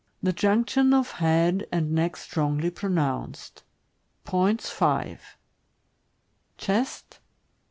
The junction of head and neck strongly pronounced. Points, 5. Chest.